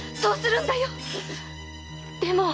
でも！